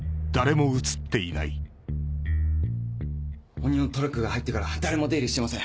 鬼のトラックが入ってから誰も出入りしていません。